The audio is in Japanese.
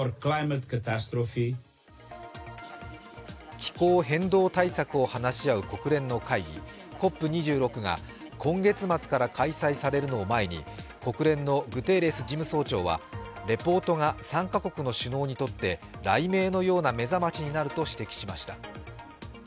気候変動対策を話し合う国連の会議、ＣＯＰ２６が今月末から開催されるのを前に、国連のグテーレス事務総長はレポートが参加国の首脳にとって雷鳴のような目覚ましになると指摘しました。